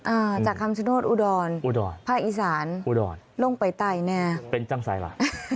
อ่าจากคำชโนธอุดรอุดรภาคอีสานอุดรลงไปใต้แน่เป็นจังใสล่ะ